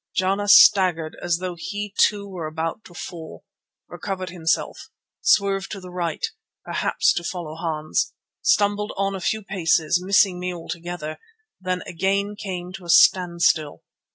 Jana staggered as though he too were about to fall; recovered himself, swerved to the right, perhaps to follow Hans, stumbled on a few paces, missing me altogether, then again came to a standstill.